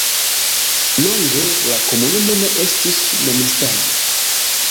Longe la komunumo ne estis memstara.